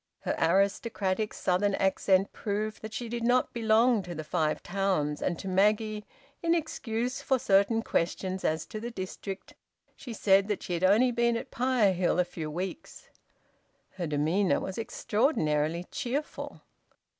Her aristocratic southern accent proved that she did not belong to the Five Towns, and to Maggie, in excuse for certain questions as to the district, she said that she had only been at Pirehill a few weeks. Her demeanour was extraordinarily cheerful.